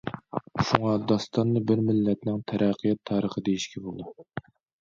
شۇڭا داستاننى بىر مىللەتنىڭ تەرەققىيات تارىخى دېيىشكە بولىدۇ.